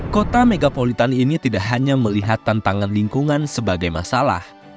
kota megapolitan ini tidak hanya melihat tantangan lingkungan sebagai masalah